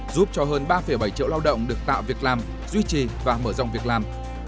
giúp cho hơn ba bảy triệu lao động được tạo việc làm duy trì và mở rộng việc làm